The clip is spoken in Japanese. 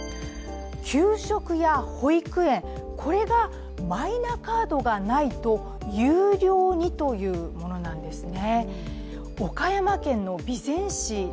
給食や保育園、これがマイナカードがないと有料にというものなんですね。